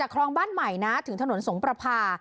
คลองบ้านใหม่นะถึงถนนสงประพา